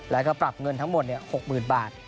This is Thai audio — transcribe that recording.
แล้วก็ปรับเงินทั้งหมด๖๐๐๐บาท